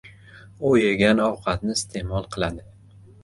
u yegan ovqatni iste’mol qiladi.